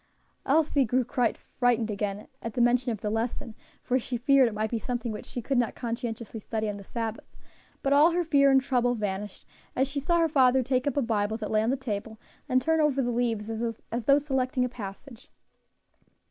Elsie grew frightened again at the mention of the lesson, for she feared it might be something which she could not conscientiously study on the Sabbath; but all her fear and trouble vanished as she saw her father take up a Bible that lay on the table, and turn over the leaves as though selecting a passage.